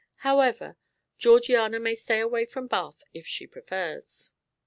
However, Georgiana may stay away from Bath if she prefers."